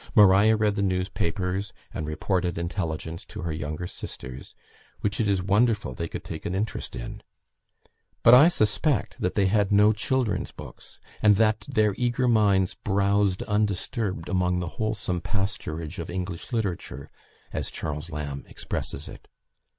Maria read the newspapers, and reported intelligence to her younger sisters which it is wonderful they could take an interest in. But I suspect that they had no "children's books," and that their eager minds "browzed undisturbed among the wholesome pasturage of English literature," as Charles Lamb expresses it.